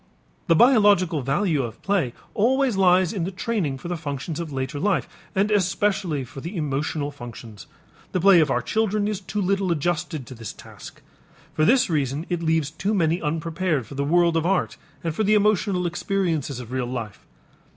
The biological value of play always lies in the training for the functions of later life, and especially for the emotional functions. The play of our children is too little adjusted to this task. For this reason it leaves too many unprepared for the world of art and for the emotional experiences of real life.